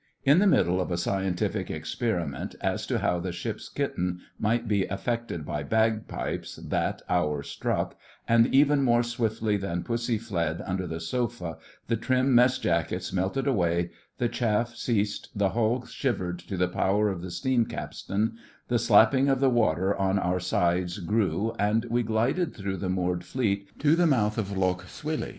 In the middle of a scientific experiment as to how the ship's kitten might be affected by bagpipes that hour struck, and even more swiftly than pussy fled under the sofa the trim mess jackets melted away, the chaff ceased, the hull shivered to the power of the steam capstan, the slapping of the water on our sides grew, and we glided through the moored Fleet to the mouth of Lough Swilly.